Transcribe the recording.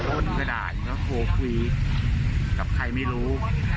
โคลนกระด่ายแล้วก็โคลนคุยกับใครไม่รู้